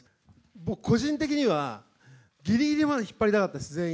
僕、個人的には、ぎりぎりまで引っ張りたかったです、全員。